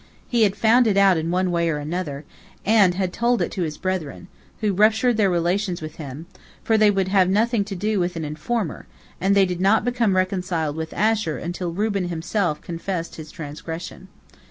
He had found it out in one way or another, and had told it to his brethren, who ruptured their relations with him, for they would have nothing to do with an informer, and they did not become reconciled with Asher until Reuben himself confessed his transgression.